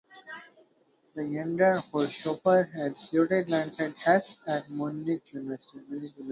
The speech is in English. The younger Haushofer had studied alongside Hess at Munich University.